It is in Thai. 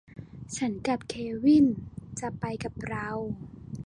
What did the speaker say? ฉันกับเควินจะไปกับเรา